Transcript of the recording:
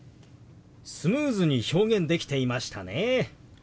スムーズに表現できていましたね。